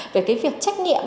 về cái việc trách nhiệm